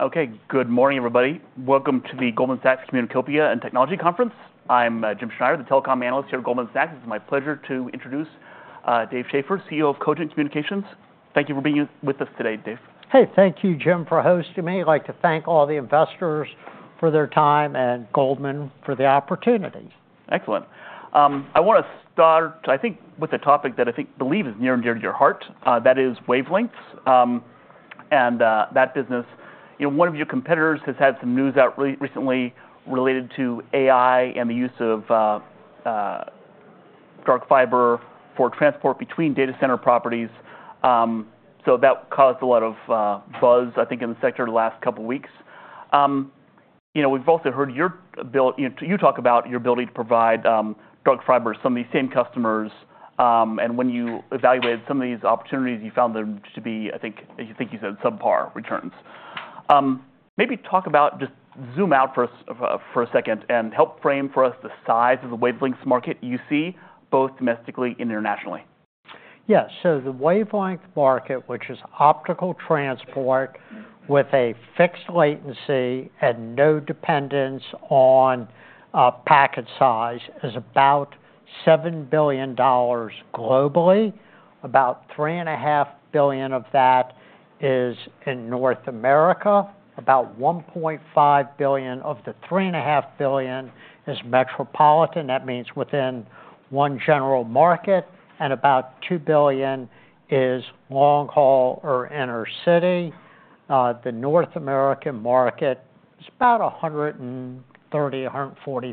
Okay. Good morning, everybody. Welcome to the Goldman Sachs Communicopia and Technology Conference. I'm Jim Schneider, the telecom analyst here at Goldman Sachs. It's my pleasure to introduce Dave Schaeffer, CEO of Cogent Communications. Thank you for being with us today, Dave. Hey, thank you, Jim, for hosting me. I'd like to thank all the investors for their time and Goldman for the opportunity. Excellent. I wanna start, I think, with a topic that I believe is near and dear to your heart, that is wavelengths and that business. You know, one of your competitors has had some news out recently related to AI and the use of dark fiber for transport between data center properties, so that caused a lot of buzz, I think, in the sector the last couple of weeks. You know, we've also heard you talk about your ability to provide dark fiber to some of these same customers, and when you evaluated some of these opportunities, you found them to be, I think you said subpar returns. Maybe talk about just zoom out for us, for a second, and help frame for us the size of the wavelengths market you see, both domestically and internationally. Yeah. So the wavelength market, which is optical transport with a fixed latency and no dependence on, packet size, is about $7 billion globally. About $3.5 billion of that is in North America. About $1.5 billion of the $3.5 billion is metropolitan. That means within one general market, and about $2 billion is long haul or inner city. The North American market is about 130-140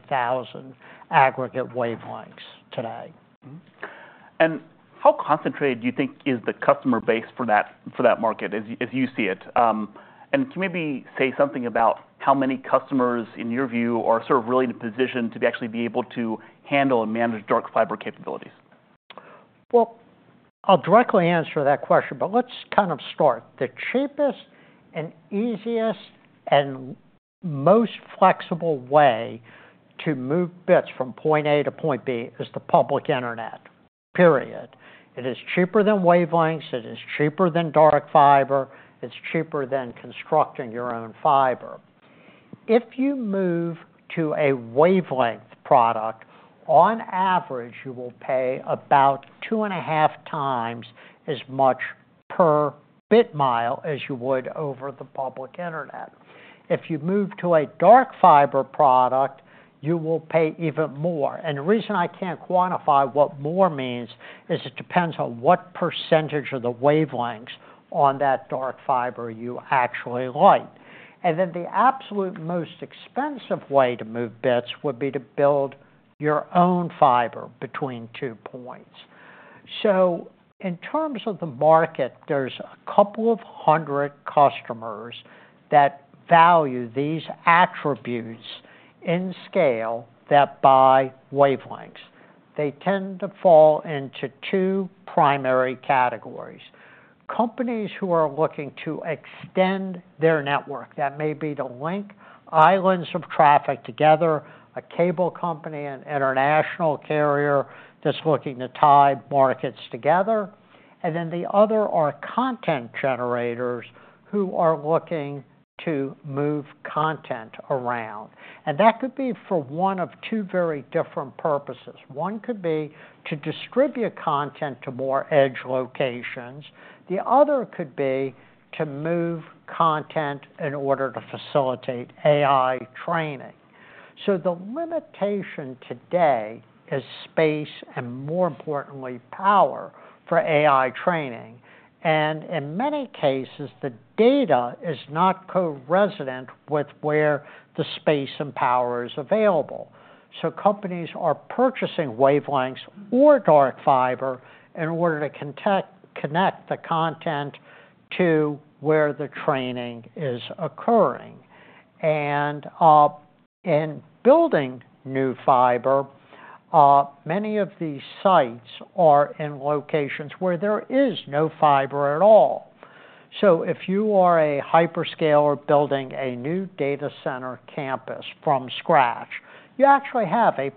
thousand aggregate wavelengths today. Mm-hmm. And how concentrated do you think is the customer base for that, for that market, as you, as you see it? And can you maybe say something about how many customers, in your view, are sort of really in a position to actually be able to handle and manage dark fiber capabilities? I'll directly answer that question, but let's kind of start. The cheapest and easiest and most flexible way to move bits from point A to point B is the public internet, period. It is cheaper than wavelengths, it is cheaper than dark fiber, it's cheaper than constructing your own fiber. If you move to a wavelength product, on average, you will pay about two and a half times as much per bit mile as you would over the public internet. If you move to a dark fiber product, you will pay even more. The reason I can't quantify what more means is it depends on what percentage of the wavelengths on that dark fiber you actually like. The absolute most expensive way to move bits would be to build your own fiber between two points. So in terms of the market, there's a couple of hundred customers that value these attributes in scale that buy wavelengths. They tend to fall into two primary categories. Companies who are looking to extend their network. That may be to link islands of traffic together, a cable company, an international carrier that's looking to tie markets together, and then the other are content generators who are looking to move content around. And that could be for one of two very different purposes. One could be to distribute content to more edge locations. The other could be to move content in order to facilitate AI training. So the limitation today is space and, more importantly, power for AI training, and in many cases, the data is not co-resident with where the space and power is available. So companies are purchasing wavelengths or dark fiber in order to connect the content to where the training is occurring. And in building new fiber, many of these sites are in locations where there is no fiber at all. So if you are a hyperscaler building a new data center campus from scratch, you actually have a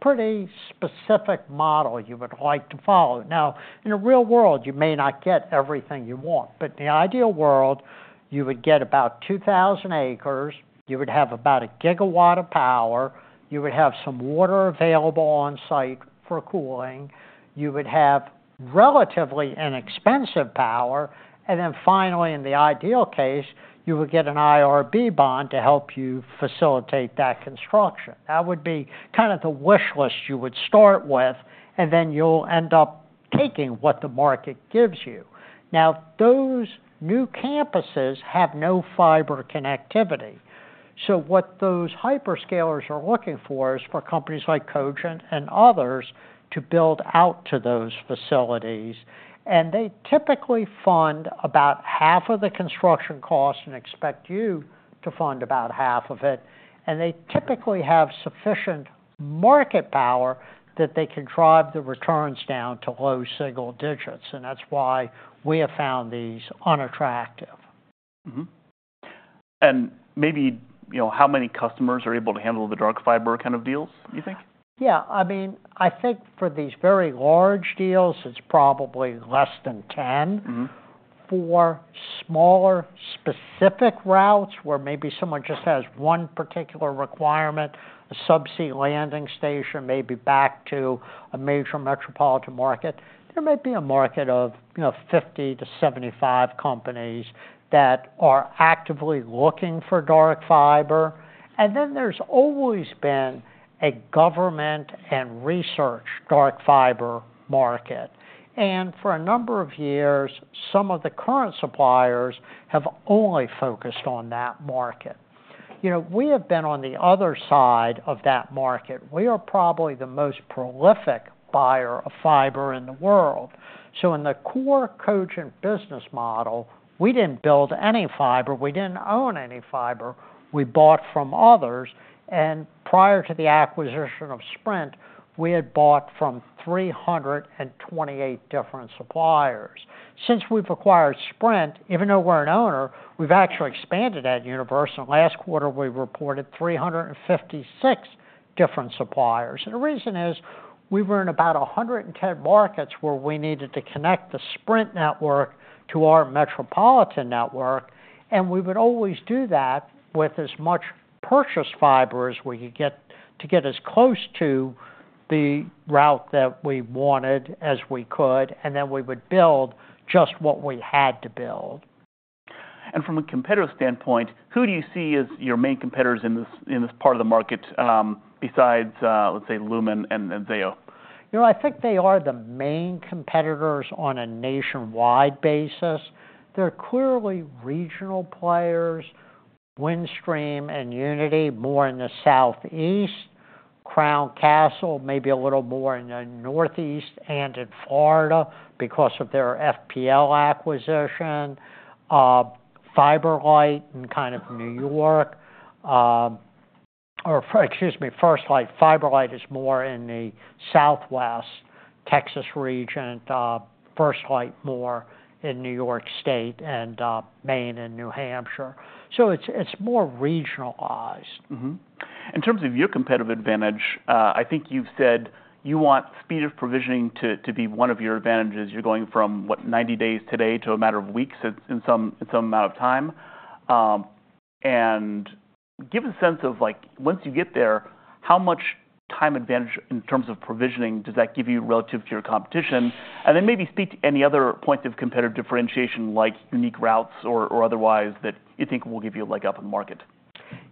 pretty specific model you would like to follow. Now, in the real world, you may not get everything you want, but in the ideal world, you would get about 2,000 acres, you would have about a gigawatt of power, you would have some water available on site for cooling, you would have relatively inexpensive power, and then finally, in the ideal case, you would get an IRB bond to help you facilitate that construction. That would be kind of the wish list you would start with, and then you'll end up taking what the market gives you. Now, those new campuses have no fiber connectivity, so what those hyperscalers are looking for is for companies like Cogent and others to build out to those facilities. And they typically fund about half of the construction cost and expect you to fund about half of it. And they typically have sufficient market power that they can drive the returns down to low single digits, and that's why we have found these unattractive. Mm-hmm. And maybe, you know, how many customers are able to handle the dark fiber kind of deals, you think? Yeah, I mean, I think for these very large deals, it's probably less than 10. Mm-hmm.... for smaller specific routes, where maybe someone just has one particular requirement, a sub-sea landing station, maybe back to a major metropolitan market, there may be a market of, you know, 50-75 companies that are actively looking for dark fiber. And then there's always been a government and research dark fiber market. And for a number of years, some of the current suppliers have only focused on that market. You know, we have been on the other side of that market. We are probably the most prolific buyer of fiber in the world. So in the core Cogent business model, we didn't build any fiber, we didn't own any fiber. We bought from others, and prior to the acquisition of Sprint, we had bought from 328 different suppliers. Since we've acquired Sprint, even though we're an owner, we've actually expanded that universe, and last quarter, we reported 356 different suppliers. And the reason is, we were in about 110 markets where we needed to connect the Sprint network to our metropolitan network, and we would always do that with as much purchased fiber as we could get to get as close to the route that we wanted as we could, and then we would build just what we had to build. From a competitor standpoint, who do you see as your main competitors in this part of the market, besides, let's say Lumen and Zayo? You know, I think they are the main competitors on a nationwide basis. There are clearly regional players, Windstream and Uniti, more in the Southeast. Crown Castle, maybe a little more in the Northeast and in Florida because of their FPL acquisition. FiberLight in kind of New York, or excuse me, FirstLight. FiberLight is more in the Southwest Texas region, FirstLight more in New York State and, Maine and New Hampshire. So it's more regionalized. Mm-hmm. In terms of your competitive advantage, I think you've said you want speed of provisioning to be one of your advantages. You're going from, what? 90 days today to a matter of weeks in some amount of time. And give a sense of, like, once you get there, how much time advantage in terms of provisioning does that give you relative to your competition? And then maybe speak to any other points of competitive differentiation, like unique routes or otherwise, that you think will give you a leg up in the market.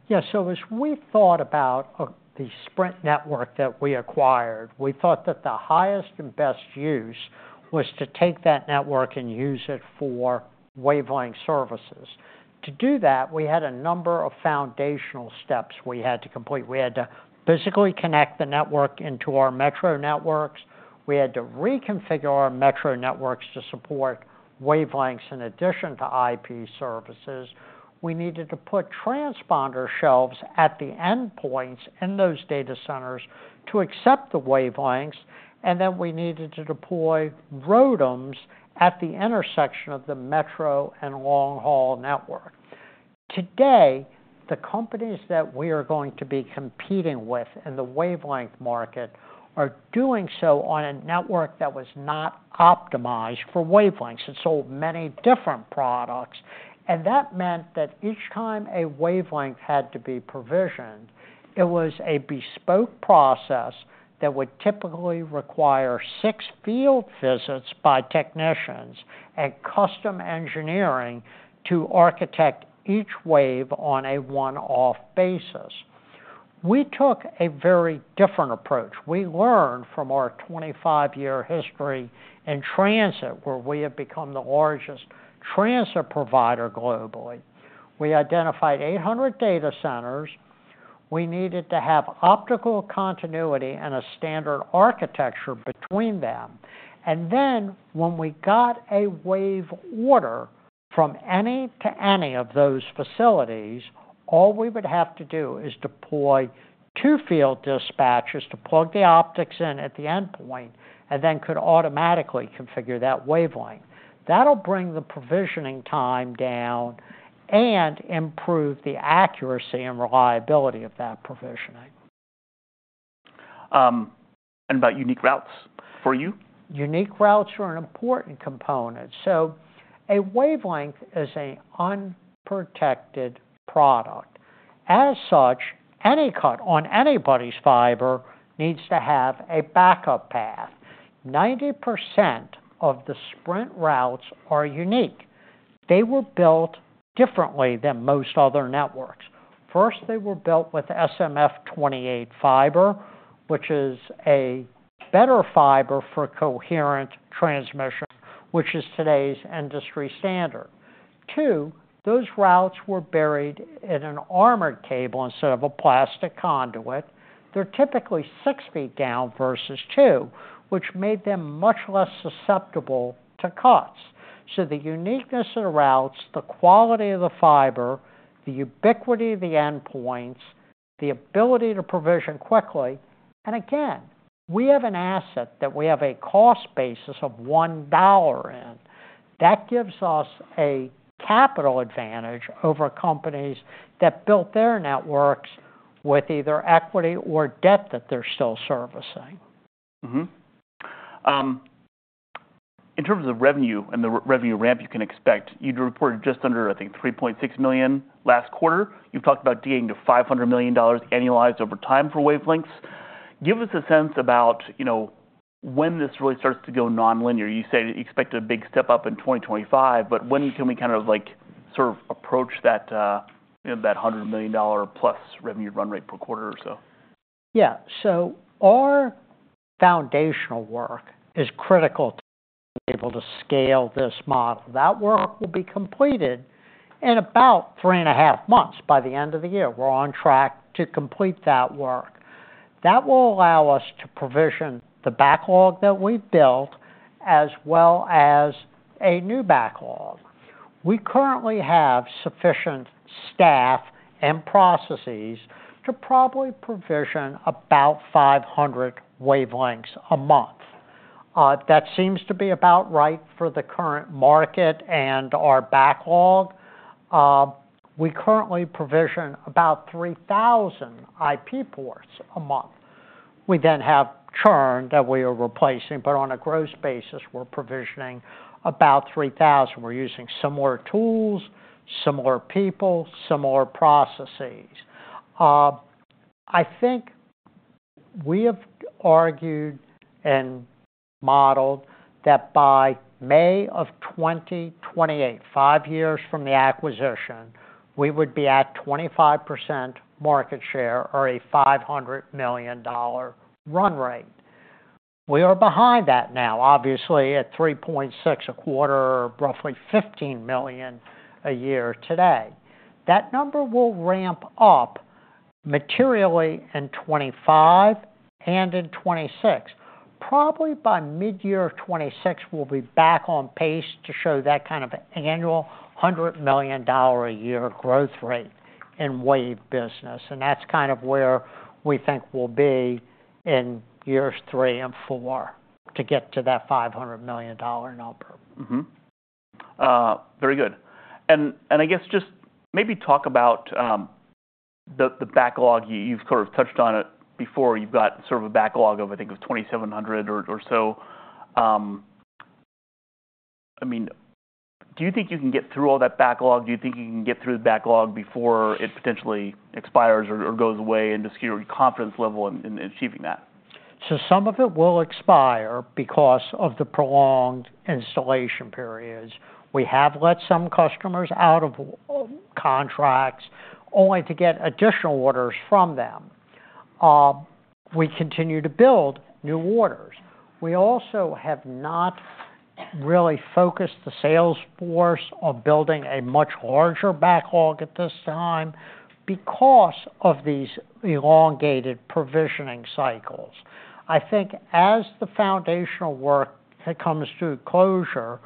Yeah. So as we thought about the Sprint network that we acquired, we thought that the highest and best use was to take that network and use it for wavelength services. To do that, we had a number of foundational steps we had to complete. We had to physically connect the network into our metro networks. We had to reconfigure our metro networks to support wavelengths in addition to IP services. We needed to put transponder shelves at the endpoints in those data centers to accept the wavelengths, and then we needed to deploy ROADMs at the intersection of the metro and long-haul network. Today, the companies that we are going to be competing with in the wavelength market are doing so on a network that was not optimized for wavelengths. It sold many different products, and that meant that each time a wavelength had to be provisioned, it was a bespoke process that would typically require six field visits by technicians and custom engineering to architect each wave on a one-off basis. We took a very different approach. We learned from our 25-year history in transit, where we have become the largest transit provider globally. We identified 800 data centers. We needed to have optical continuity and a standard architecture between them. And then, when we got a wave order from any to any of those facilities, all we would have to do is deploy two field dispatchers to plug the optics in at the endpoint and then could automatically configure that wavelength. That'll bring the provisioning time down and improve the accuracy and reliability of that provisioning. And about unique routes for you? Unique routes are an important component, so a wavelength is an unprotected product. As such, any cut on anybody's fiber needs to have a backup path. 90% of the Sprint routes are unique. They were built differently than most other networks. First, they were built with SMF-28 fiber, which is a better fiber for coherent transmission, which is today's industry standard. Two, those routes were buried in an armored cable instead of a plastic conduit. They're typically six feet down versus two, which made them much less susceptible to cuts. The uniqueness of the routes, the quality of the fiber, the ubiquity of the endpoints, the ability to provision quickly, and again, we have an asset that we have a cost basis of $1 in. That gives us a capital advantage over companies that built their networks with either equity or debt that they're still servicing. In terms of revenue and the revenue ramp you can expect, you'd reported just under, I think, $3.6 million last quarter. You've talked about getting to $500 million annualized over time for wavelengths. Give us a sense about, you know, when this really starts to go nonlinear. You say you expect a big step up in 2025, but when can we kind of, like, sort of approach that, you know, that $100 million dollar plus revenue run rate per quarter or so? Yeah. So our foundational work is critical to be able to scale this model. That work will be completed in about three and a half months, by the end of the year. We're on track to complete that work. That will allow us to provision the backlog that we've built, as well as a new backlog. We currently have sufficient staff and processes to probably provision about five hundred wavelengths a month. That seems to be about right for the current market and our backlog. We currently provision about 3,000 IP ports a month. We then have churn that we are replacing, but on a gross basis, we're provisioning about 3,000. We're using similar tools, similar people, similar processes. I think we have argued and modeled that by May of 2028, five years from the acquisition, we would be at 25% market share or a $500 million run rate. We are behind that now, obviously, at 3.6 a quarter, roughly $15 million a year today. That number will ramp up materially in 2025 and in 2026. Probably by mid-year of 2026, we'll be back on pace to show that kind of annual $100 million a year growth rate in wave business, and that's kind of where we think we'll be in years three and four to get to that $500 million number. Mm-hmm. Very good. And I guess just maybe talk about the backlog. You've sort of touched on it before. You've got sort of a backlog of, I think, it was 2,700 or so. I mean, do you think you can get through all that backlog? Do you think you can get through the backlog before it potentially expires or goes away, and just your confidence level in achieving that? So some of it will expire because of the prolonged installation periods. We have let some customers out of contracts only to get additional orders from them. We continue to build new orders. We also have not really focused the sales force on building a much larger backlog at this time because of these elongated provisioning cycles. I think as the foundational work comes to closure,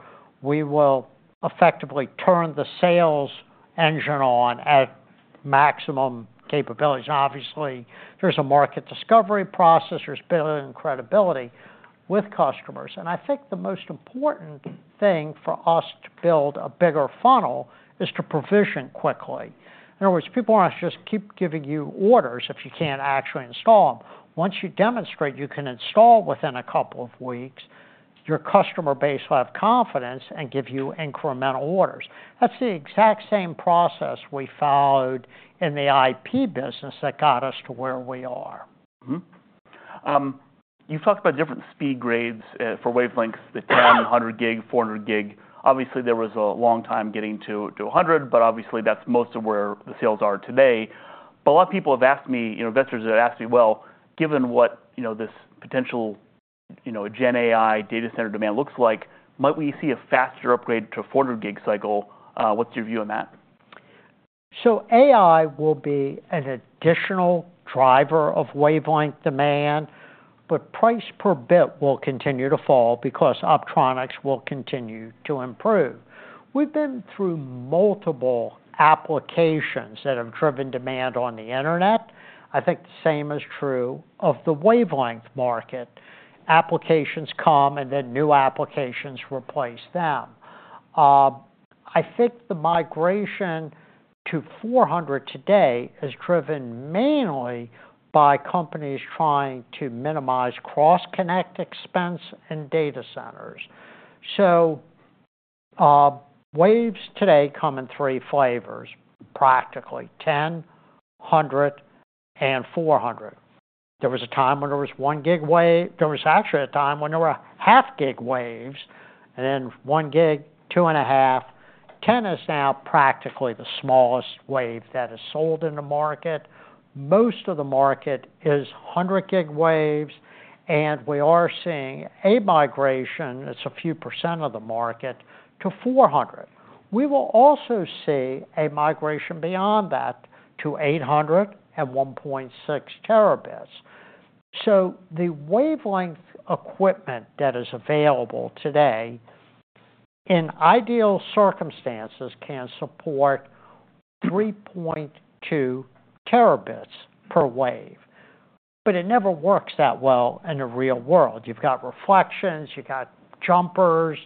we will effectively turn the sales engine on at maximum capabilities. Obviously, there's a market discovery process, there's building credibility with customers, and I think the most important thing for us to build a bigger funnel is to provision quickly. In other words, people want to just keep giving you orders if you can't actually install them. Once you demonstrate you can install within a couple of weeks, your customer base will have confidence and give you incremental orders. That's the exact same process we followed in the IP business that got us to where we are. You talked about different speed grades for wavelengths, the 10, 100 gig, 400 gig. Obviously, there was a long time getting to a hundred, but obviously that's most of where the sales are today. But a lot of people have asked me, you know, investors have asked me, "Well, given what, you know, this potential, you know, gen AI data center demand looks like, might we see a faster upgrade to a 400 gig cycle?" What's your view on that? So AI will be an additional driver of wavelength demand, but price per bit will continue to fall because optronics will continue to improve. We've been through multiple applications that have driven demand on the internet. I think the same is true of the wavelength market. Applications come, and then new applications replace them. I think the migration to 400 today is driven mainly by companies trying to minimize cross-connect expense in data centers. So, waves today come in three flavors, practically, 10, 100, and 400. There was a time when there was one gig wave. There was actually a time when there were half gig waves and then 1 gig, 2.5. 10 is now practically the smallest wave that is sold in the market. Most of the market is 100 gig waves, and we are seeing a migration. It's a few percent of the market to 400. We will also see a migration beyond that to 800 and 1.6 terabits. So the wavelength equipment that is available today, in ideal circumstances, can support 3.2 terabits per wave, but it never works that well in the real world. You've got reflections, you've got jumpers...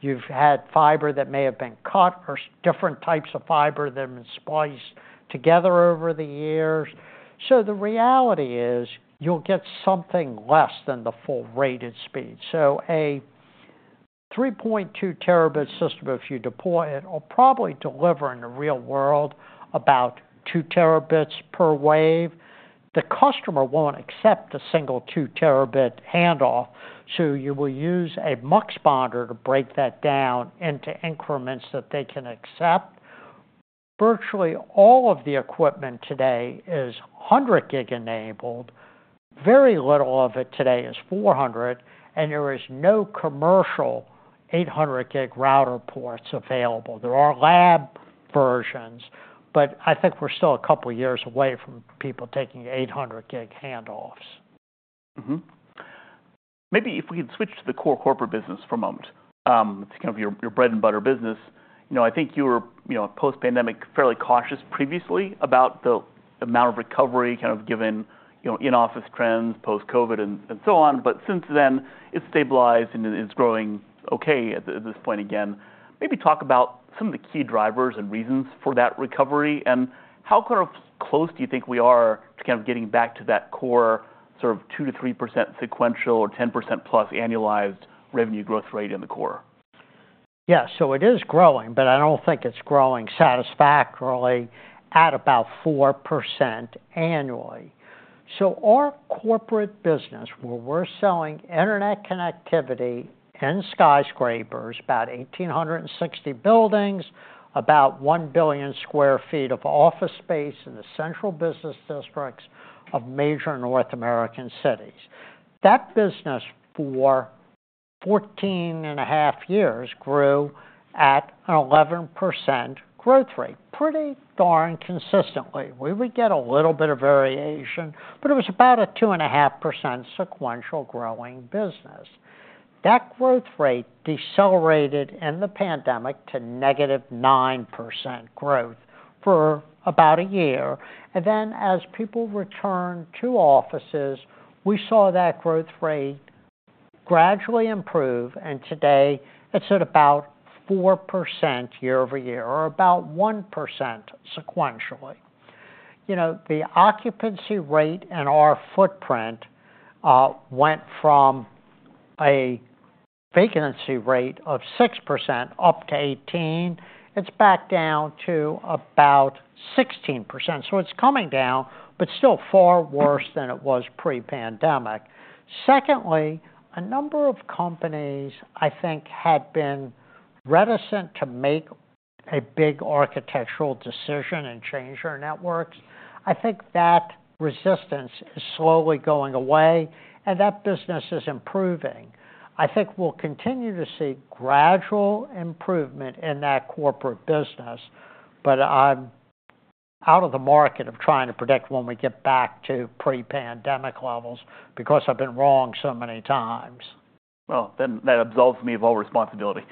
you've had fiber that may have been cut or different types of fiber that have been spliced together over the years. So the reality is, you'll get something less than the full rated speed. So a 3.2 terabit system, if you deploy it, will probably deliver in the real world about 2 terabits per wave. The customer won't accept a single two terabit handoff, so you will use a muxponder to break that down into increments that they can accept. Virtually all of the equipment today is hundred gig enabled. Very little of it today is 400, and there is no commercial 800 gig router ports available. There are lab versions, but I think we're still a couple of years away from people taking 800 gig handoffs. Mm-hmm. Maybe if we could switch to the core corporate business for a moment, it's kind of your bread-and-butter business. You know, I think you were, you know, post-pandemic, fairly cautious previously about the amount of recovery, kind of given, you know, in-office trends, post-COVID, and so on. But since then, it's stabilized and it's growing okay at this point again. Maybe talk about some of the key drivers and reasons for that recovery, and how kind of close do you think we are to kind of getting back to that core, sort of 2%-3% sequential or 10% plus annualized revenue growth rate in the core? Yeah. So it is growing, but I don't think it's growing satisfactorily at about 4% annually. So our corporate business, where we're selling internet connectivity in skyscrapers, about 1,860 buildings, about 1 billion sq ft of office space in the central business districts of major North American cities. That business, for 14 and a half years, grew at an 11% growth rate, pretty darn consistently. We would get a little bit of variation, but it was about a 2.5% sequential growing business. That growth rate decelerated in the pandemic to negative 9% growth for about a year, and then as people returned to offices, we saw that growth rate gradually improve, and today it's at about 4% year-over-year, or about 1% sequentially. You know, the occupancy rate in our footprint went from a vacancy rate of 6% up to 18%. It's back down to about 16%, so it's coming down, but still far worse than it was pre-pandemic. Secondly, a number of companies, I think, had been reticent to make a big architectural decision and change their networks. I think that resistance is slowly going away, and that business is improving. I think we'll continue to see gradual improvement in that corporate business, but I'm out of the market of trying to predict when we get back to pre-pandemic levels because I've been wrong so many times. Then that absolves me of all responsibility.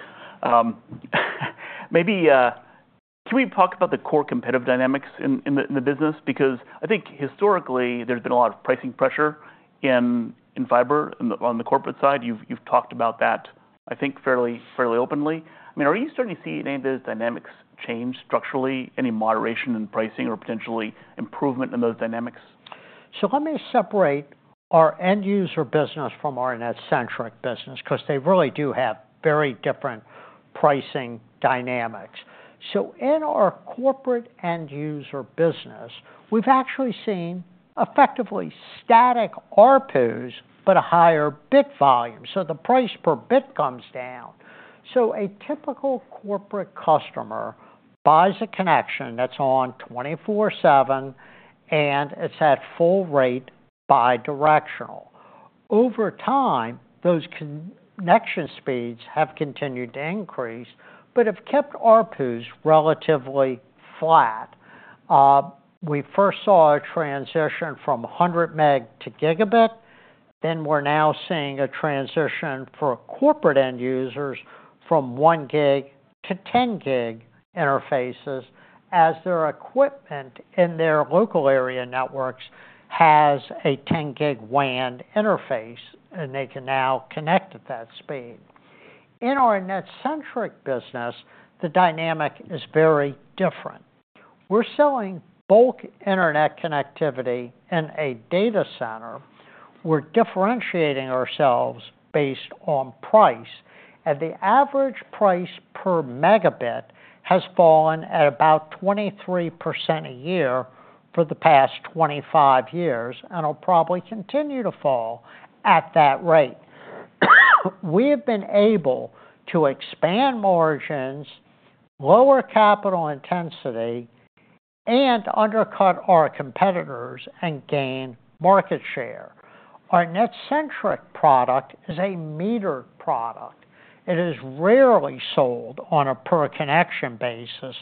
Maybe, can we talk about the core competitive dynamics in the business? Because I think historically, there's been a lot of pricing pressure in fiber, on the corporate side. You've talked about that, I think, fairly openly. I mean, are you starting to see any of those dynamics change structurally, any moderation in pricing or potentially improvement in those dynamics? So let me separate our end user business from our NetCentric business, 'cause they really do have very different pricing dynamics. So in our corporate end user business, we've actually seen effectively static ARPUs, but a higher bit volume, so the price per bit comes down. So a typical corporate customer buys a connection that's on twenty-four seven, and it's at full rate bi-directional. Over time, those connection speeds have continued to increase but have kept ARPUs relatively flat. We first saw a transition from a hundred meg to gigabit, and we're now seeing a transition for corporate end users from one gig to 10 gig interfaces, as their equipment in their local area networks has a 10 gig WAN interface, and they can now connect at that speed. In our NetCentric business, the dynamic is very different. We're selling bulk internet connectivity in a data center. We're differentiating ourselves based on price, and the average price per megabit has fallen at about 23% a year for the past 25 years and will probably continue to fall at that rate. We have been able to expand margins, lower capital intensity, and undercut our competitors and gain market share. Our NetCentric product is a metered product. It is rarely sold on a per connection basis,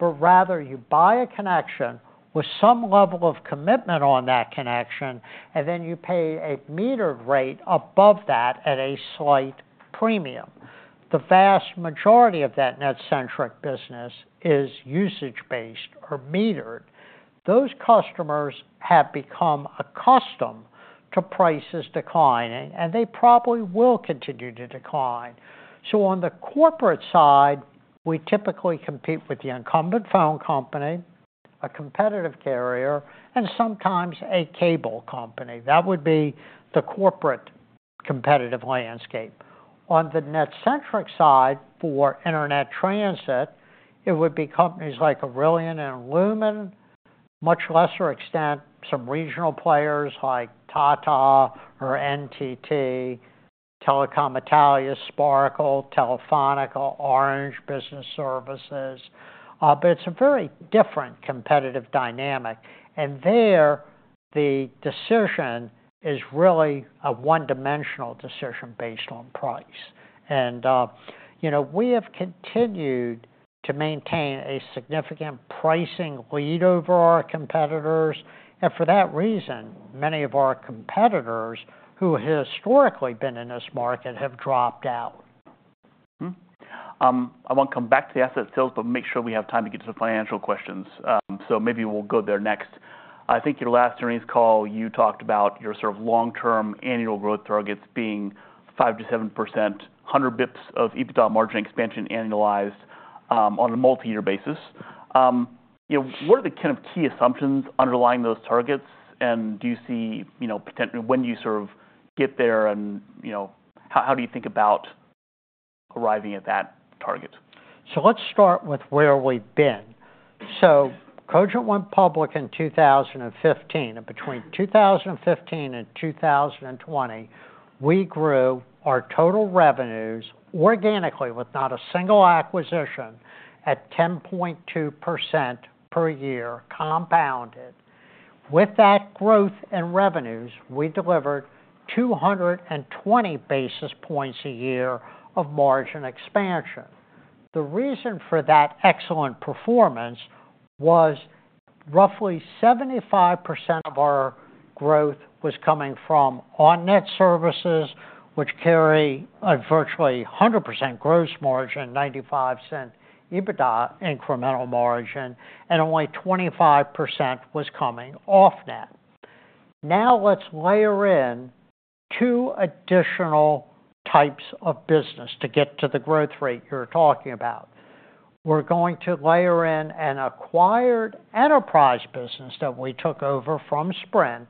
but rather, you buy a connection with some level of commitment on that connection, and then you pay a metered rate above that at a slight premium. The vast majority of that NetCentric business is usage-based or metered. Those customers have become accustomed to prices declining, and they probably will continue to decline. So on the corporate side, we typically compete with the incumbent phone company, a competitive carrier, and sometimes a cable company. That would be the corporate competitive landscape. On the NetCentric side, for internet transit, it would be companies like Arelion and Lumen, much lesser extent, some regional players like Tata or NTT, Telecom Italia, Sparkle, Telefónica, Orange Business Services, but it's a very different competitive dynamic, and there, the decision is really a one-dimensional decision based on price. And, you know, we have continued to maintain a significant pricing lead over our competitors, and for that reason, many of our competitors who historically been in this market, have dropped out. Mm-hmm. I want to come back to the asset sales, but make sure we have time to get to the financial questions. So maybe we'll go there next. I think your last earnings call, you talked about your sort of long-term annual growth targets being 5%-7%, 100 basis points of EBITDA margin expansion annualized, on a multi-year basis. You know, what are the kind of key assumptions underlying those targets, and do you see, you know, potentially—when you sort of get there and, you know, how do you think about arriving at that target? So let's start with where we've been. So Cogent went public in two thousand and fifteen, and between two thousand and fifteen and two thousand and twenty, we grew our total revenues organically, with not a single acquisition, at 10.2% per year, compounded. With that growth in revenues, we delivered 220 basis points a year of margin expansion. The reason for that excellent performance was roughly 75% of our growth was coming from on-net services, which carry a virtually 100% gross margin, 95% EBITDA incremental margin, and only 25% was coming off-net. Now, let's layer in two additional types of business to get to the growth rate you're talking about. We're going to layer in an acquired enterprise business that we took over from Sprint,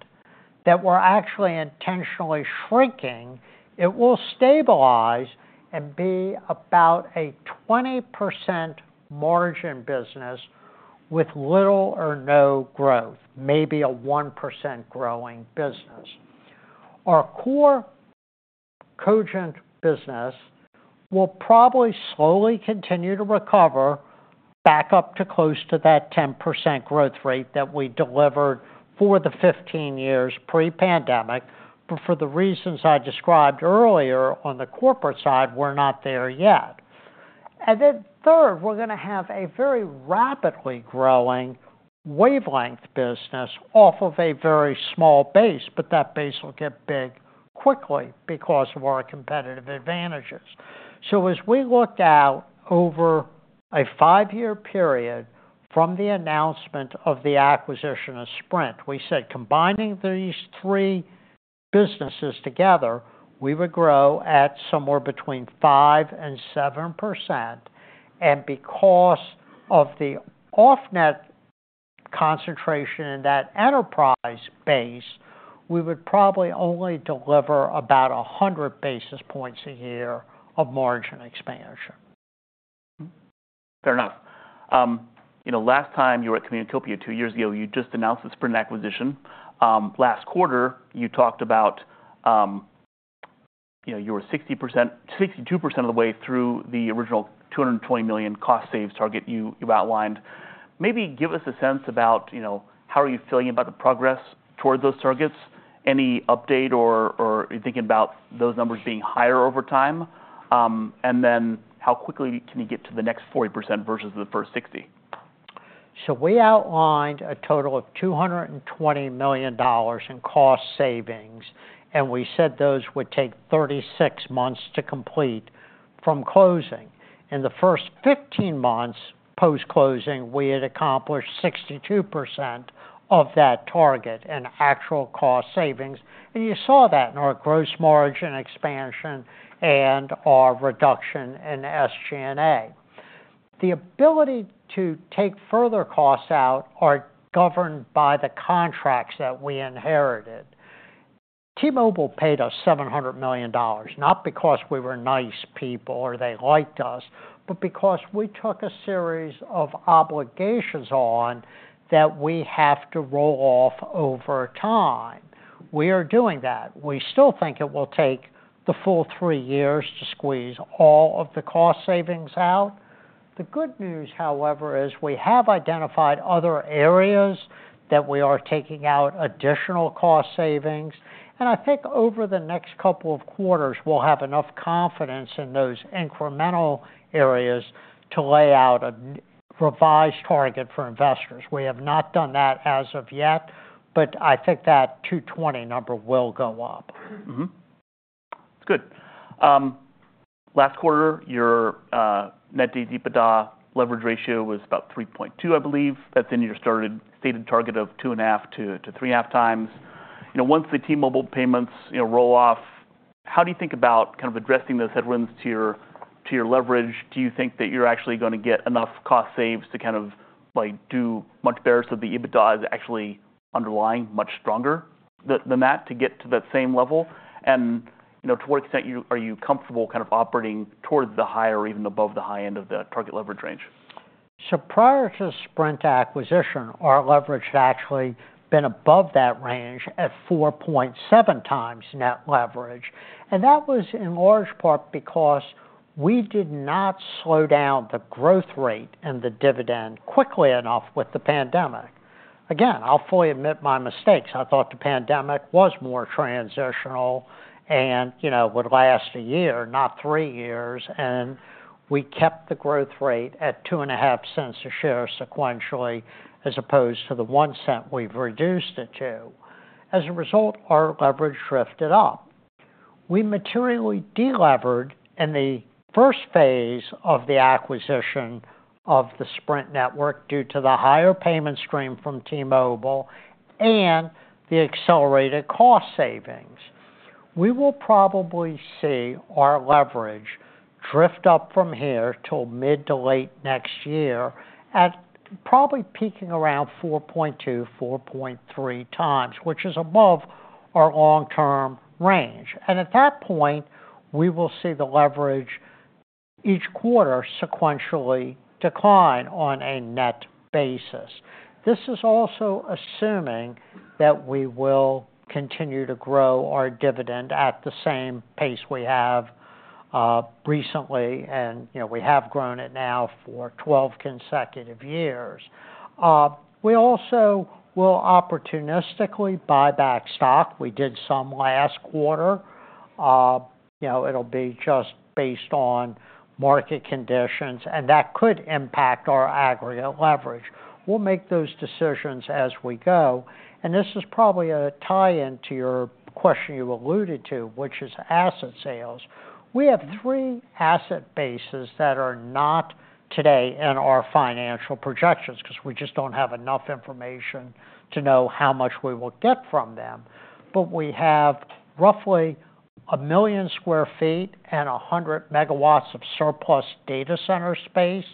that we're actually intentionally shrinking. It will stabilize and be about a 20% margin business with little or no growth, maybe a 1% growing business. Our core Cogent business will probably slowly continue to recover back up to close to that 10% growth rate that we delivered for the 15 years pre-pandemic, but for the reasons I described earlier on the corporate side, we're not there yet, and then third, we're gonna have a very rapidly growing wavelength business off of a very small base, but that base will get big quickly because of our competitive advantages. So as we looked out over a five-year period from the announcement of the acquisition of Sprint, we said, combining these three businesses together, we would grow at somewhere between 5% and 7%, and because of the off-net concentration in that enterprise base, we would probably only deliver about 100 basis points a year of margin expansion. Fair enough. You know, last time you were at Communicopia two years ago, you just announced the Sprint acquisition. Last quarter, you talked about, you know, you were 62% of the way through the original $220 million cost saves target you've outlined. Maybe give us a sense about, you know, how are you feeling about the progress toward those targets? Any update or are you thinking about those numbers being higher over time? And then how quickly can you get to the next 40% versus the first 60%? So we outlined a total of $220 million in cost savings, and we said those would take 36 months to complete from closing. In the first 15 months post-closing, we had accomplished 62% of that target in actual cost savings, and you saw that in our gross margin expansion and our reduction in SG&A. The ability to take further costs out are governed by the contracts that we inherited. T-Mobile paid us $700 million, not because we were nice people or they liked us, but because we took a series of obligations on that we have to roll off over time. We are doing that. We still think it will take the full three years to squeeze all of the cost savings out. The good news, however, is we have identified other areas that we are taking out additional cost savings, and I think over the next couple of quarters, we'll have enough confidence in those incremental areas to lay out a revised target for investors. We have not done that as of yet, but I think that two twenty number will go up. It's good. Last quarter, your net debt EBITDA leverage ratio was about 3.2, I believe. That's in your stated target of two and a half to three and a half times. You know, once the T-Mobile payments, you know, roll off, how do you think about kind of addressing those headwinds to your leverage? Do you think that you're actually gonna get enough cost saves to kind of, like, do much better, so the EBITDA is actually underlying much stronger than that to get to that same level? And, you know, to what extent are you comfortable kind of operating towards the high or even above the high end of the target leverage range? So prior to the Sprint acquisition, our leverage had actually been above that range at 4.7 times net leverage, and that was in large part because we did not slow down the growth rate and the dividend quickly enough with the pandemic. Again, I'll fully admit my mistakes. I thought the pandemic was more transitional and, you know, would last a year, not three years, and we kept the growth rate at 2.5 cents a share sequentially, as opposed to the 1 cent we've reduced it to. As a result, our leverage drifted up. We materially delevered in the first phase of the acquisition of the Sprint network due to the higher payment stream from T-Mobile and the accelerated cost savings. We will probably see our leverage drift up from here till mid to late next year at probably peaking around 4.2-4.3 times, which is above our long-term range. And at that point, we will see the leverage each quarter sequentially decline on a net basis. This is also assuming that we will continue to grow our dividend at the same pace we have recently, and you know, we have grown it now for 12 consecutive years. We also will opportunistically buy back stock. We did some last quarter. You know, it'll be just based on market conditions, and that could impact our aggregate leverage. We'll make those decisions as we go, and this is probably a tie-in to your question you alluded to, which is asset sales. We have three asset bases that are not today in our financial projections, because we just don't have enough information to know how much we will get from them. We have roughly a million sq ft and 100 MW of surplus data center space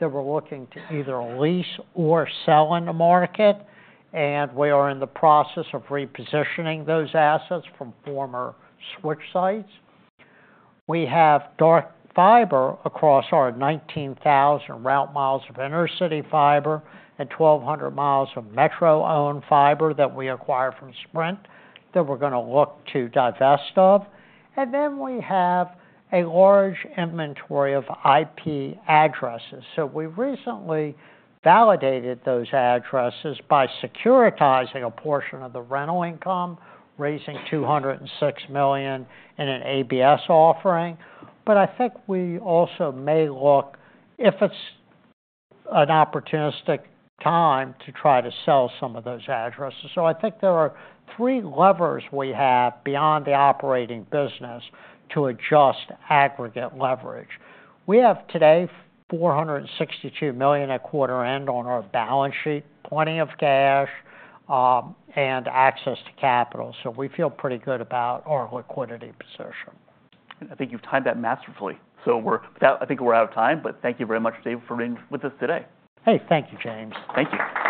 that we're looking to either lease or sell in the market, and we are in the process of repositioning those assets from former switch sites. We have dark fiber across our 19,000 route miles of intercity fiber and 1,200 miles of metro-owned fiber that we acquired from Sprint that we're gonna look to divest of. We have a large inventory of IP addresses. We recently validated those addresses by securitizing a portion of the rental income, raising $206 million in an ABS offering. But I think we also may look, if it's an opportunistic time, to try to sell some of those addresses. So I think there are three levers we have beyond the operating business to adjust aggregate leverage. We have today, $462 million at quarter end on our balance sheet, plenty of cash, and access to capital, so we feel pretty good about our liquidity position. I think you've timed that masterfully. So we're, I think we're out of time, but thank you very much, Dave, for being with us today. Hey, thank you, Jim. Thank you.